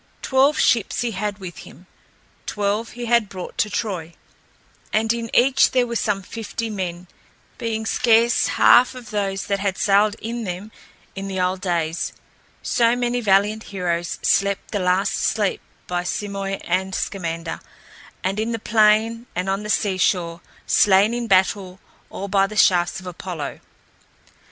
Twelve ships he had with him twelve he had brought to Troy and in each there were some fifty men, being scarce half of those that had sailed in them in the old days, so many valiant heroes slept the last sleep by Simoïs and Scamander and in the plain and on the seashore, slain in battle or by the shafts of Apollo.